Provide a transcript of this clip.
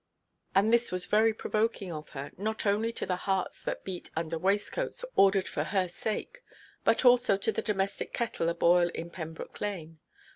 And this was very provoking of her, not only to the hearts that beat under waistcoats ordered for her sake, but also to the domestic kettle a–boil in Pembroke Lane.